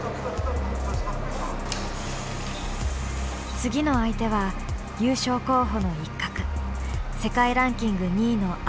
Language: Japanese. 次の相手は優勝候補の一角世界ランキング２位のアイルランドです。